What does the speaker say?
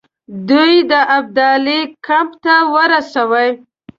دوی د ابدالي کمپ ته ورسي.